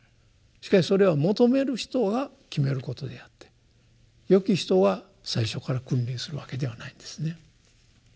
しかしそれは求める人が決めることであって「よき人」は最初から君臨するわけではないんですね。